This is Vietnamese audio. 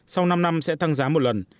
sau năm năm sẽ tăng giá một lần